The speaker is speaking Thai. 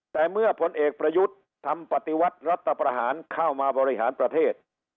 แต่เมื่อผลเอกประยุทธ์ทำปฏิวัติรัฐประหารเข้ามาบริหารประเทศ